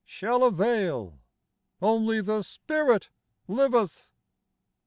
shall avail: Only the Spirit liveth!